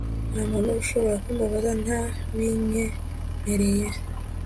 nta muntu ushobora kumbabaza ntabinyemereye